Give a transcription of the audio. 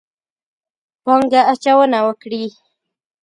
پانګه اچونه وکړي.